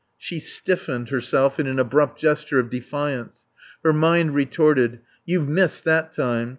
She stiffened herself in an abrupt gesture of defiance. Her mind retorted: "You've missed, that time.